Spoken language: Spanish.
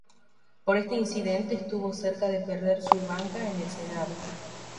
Por este incidente estuvo cerca de perder su banca en el Senado.